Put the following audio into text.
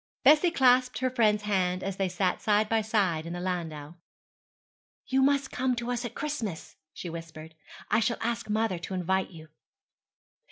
Bessie clasped her friend's hand as they sat side by side in the landau. 'You must come to us at Christmas,' she whispered: 'I shall ask mother to invite you.'